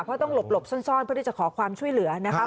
เพราะต้องหลบซ่อนเพื่อที่จะขอความช่วยเหลือนะคะ